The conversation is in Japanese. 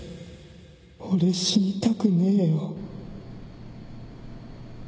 俺死にたくねえよ